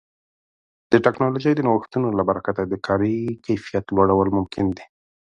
د ټکنالوژۍ د نوښتونو له برکه د کاري کیفیت لوړول ممکن دي.